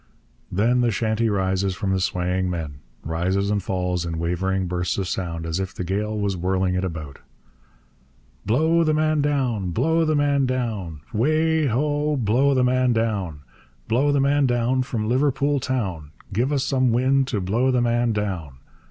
Then the chanty rises from the swaying men, rises and falls, in wavering bursts of sound, as if the gale was whirling it about: Blow the man down, blow the man down, 'Way ho! Blow the man down. Blow the man down from Liverpool town; Give us some wind to blow the man down.